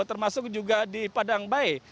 termasuk juga di padangbae